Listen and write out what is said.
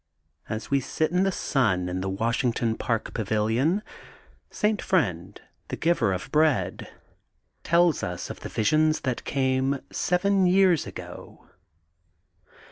As we git in the sun in the Washington Park Pavilion, Saint Friend, the Giver of Bread, tells us of the visions that came seven years ago.